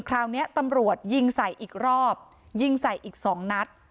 คราวนี้ตำรวจยิงใส่อีกรอบยิงใส่อีกสองนัด